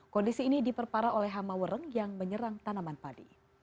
kondisi ini diperparah oleh hamawereng yang menyerang tanaman padi